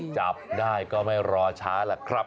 จับได้ก็ไม่รอช้าแหละครับ